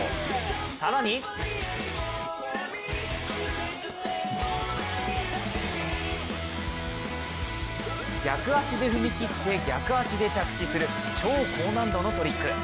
更に逆足で踏み切って逆足で着地する超高難度のトリック。